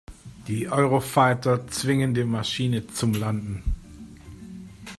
Die Eurofighter zwingen die Maschine zum Landen.